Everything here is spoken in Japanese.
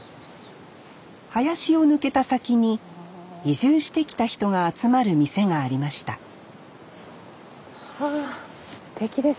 林を抜けた先に移住してきた人が集まる店がありましたはすてきですね。